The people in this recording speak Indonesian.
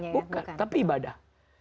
bukan tapi ibadah